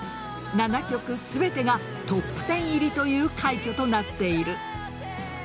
７曲全てがトップ１０入りという快挙となっている。